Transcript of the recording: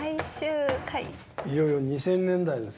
いよいよ２０００年代です。